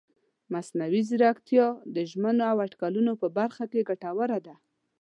مصنوعي ځیرکتیا د ژمنو او اټکلونو په برخه کې ګټوره ده.